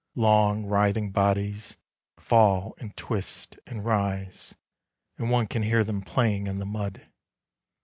— Long writhing bodies fall and twist and rise, Anil one can hear them playing in the mud.